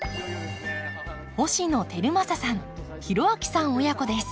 星野晃正さん浩章さん親子です。